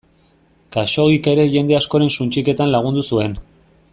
Khaxoggik ere jende askoren suntsiketan lagundu zuen.